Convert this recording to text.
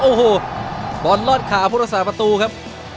โอ้โหบอลลอดขาพุทธศาสตประตูครับ